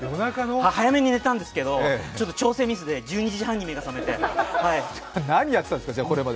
早めに寝たんですけど、調整ミスで１２時半に目が覚めて何やってたんですか、ここまで。